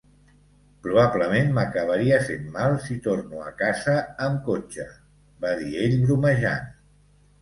""Probablement m'acabaria fent mal si torno a casa amb cotxe", va dir ell bromejant."